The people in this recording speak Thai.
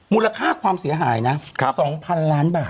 มูลค่าความเสียหายนะ๒๐๐๐ล้านบาท